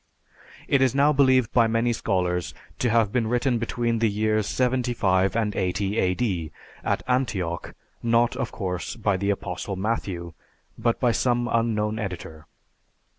It is now believed by many scholars to have been written between the years 75 and 80 A.D. at Antioch not, of course, by the Apostle Matthew, but by some unknown editor.